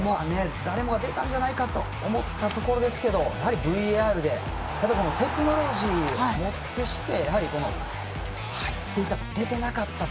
誰もが出たんじゃないかなと思ったところですけどＶＡＲでテクノロジーをもってして入っていたと、出てなかったと。